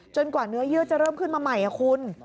กว่าเนื้อเยื่อจะเริ่มขึ้นมาใหม่คุณ